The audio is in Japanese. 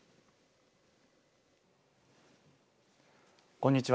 こんにちは。